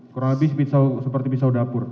kurang lebih seperti pisau dapur